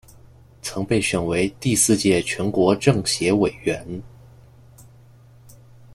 曾被选为第四届全国政协委员。